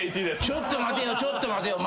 ちょっと待てよちょっと待てよ。